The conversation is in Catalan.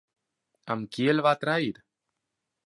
Amb qui el va trair?